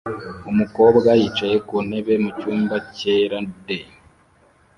Umukobwa yicaye ku ntebe mu cyumba cyera de